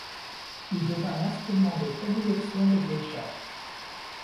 Il devint l'instrument de prédilection des geishas.